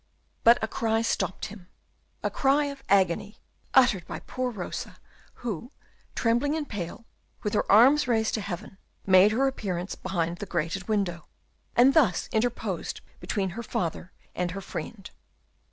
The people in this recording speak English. But a cry stopped him; a cry of agony, uttered by poor Rosa, who, trembling and pale, with her arms raised to heaven, made her appearance behind the grated window, and thus interposed between her father and her friend.